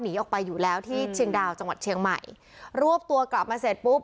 หนีออกไปอยู่แล้วที่เชียงดาวจังหวัดเชียงใหม่รวบตัวกลับมาเสร็จปุ๊บ